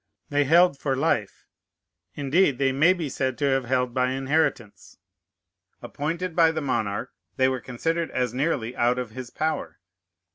They held for life. Indeed, they may be said to have held by inheritance. Appointed by the monarch, they were considered as nearly out of his power.